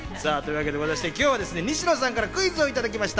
今日は西野さんからクイズをいただきました。